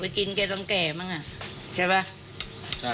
เผื่อเขายังไม่ได้งาน